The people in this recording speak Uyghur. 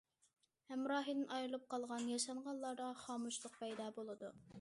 ھەمراھىدىن ئايرىلىپ قالغان ياشانغانلاردا خامۇشلۇق پەيدا بولىدۇ.